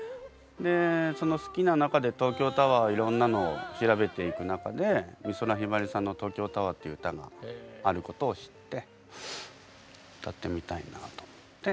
いろんなのを調べていく中で美空ひばりさんの「東京タワー」っていう歌があることを知って歌ってみたいなと思って。